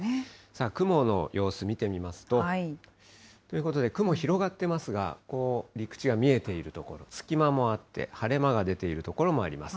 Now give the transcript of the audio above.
雲の様子見てみますと、ということで雲広がってますが、こう陸地が見えている所、隙間もあって晴れ間が出ている所もあります。